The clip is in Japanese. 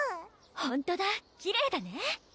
ほんとだきれいだね